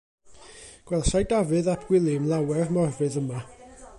Gwelsai Dafydd ap Gwilym lawer Morfudd yma.